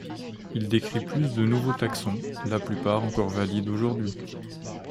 Il décrit plus de nouveaux taxons, la plupart encore valides aujourd’hui.